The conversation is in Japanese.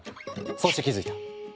そして気付いた。